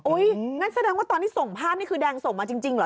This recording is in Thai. งั้นแสดงว่าตอนที่ส่งภาพนี่คือแดงส่งมาจริงเหรอ